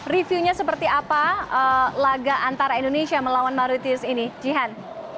review nya seperti apa laga antara indonesia melawan marutius ini jihan